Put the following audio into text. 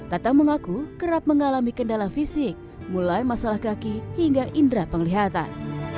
tatang mengaku kerap mengalami kendala fisik mulai masalah kaki hingga indera penglihatan